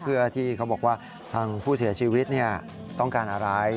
เพื่อที่เขาบอกว่าทางผู้เสียชีวิตต้องการอะไร